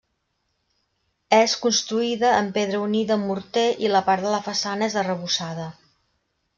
És construïda amb pedra unida amb morter i la part de la façana és arrebossada.